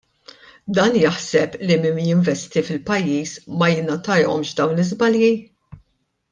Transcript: Dan jaħseb li min jinvesti fil-pajjiż ma jinnotahomx dawn l-iżbalji?